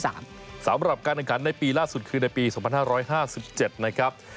สำหรับการแข่งขันในปีล่าสุดคือในปี๒๕๕๗นะครับ